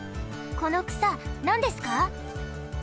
この草なんですか？